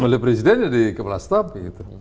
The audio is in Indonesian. mulai presiden jadi kepala staff gitu